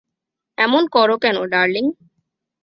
এমন করো কেন, ডার্লিং।